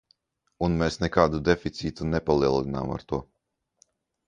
Un mēs nekādu deficītu nepalielinām ar to!